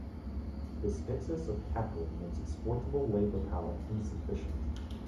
This excess of capital makes exploitable labor-power insufficient.